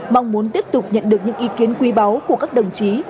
mong muốn tiếp tục nhận được những ý kiến quý báu của các đồng chí